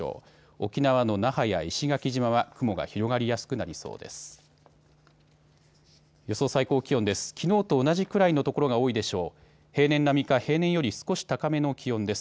沖縄の那覇や石垣島は雲が広がりやすくなりそうです。